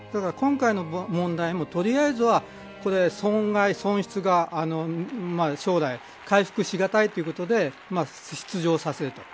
今回の問題も取りあえずは損害、損失が将来、回復しがたいということで出場させる。